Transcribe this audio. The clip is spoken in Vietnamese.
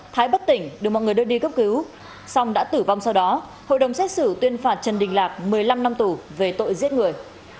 thái bất tỉnh được mọi người đưa đi cấp cứu xong đã tử vong sau đó hội đồng xét xử tuyên phạt trần đình lạc một mươi năm năm tù về tội giết người